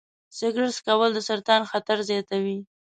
سګرټ څکول د سرطان خطر زیاتوي.